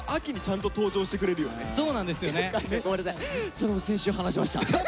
それも先週話しました。